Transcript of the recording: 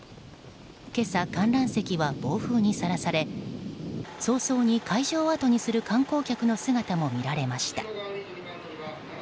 今朝、観覧席は暴風にさらされ早々に会場をあとにする観光客の姿も見られました。